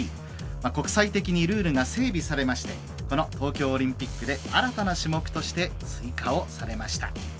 国際的にルールが整備されましてこの東京オリンピックで新たな種目として追加をされました。